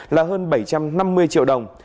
là hơn bảy trăm năm mươi triệu đồng